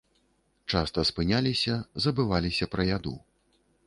Часта спыняліся, забываліся пра яду.